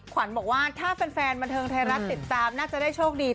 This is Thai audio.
ขวัญบอกว่าถ้าแฟนบันเทิงไทยรัฐติดตามน่าจะได้โชคดี